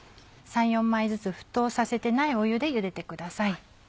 ３４枚ずつ沸騰させてない湯で茹でてください。